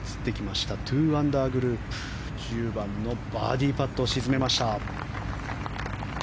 ２アンダーグループ１０番のバーディーパットを沈めました。